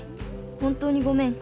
本当にごめん」。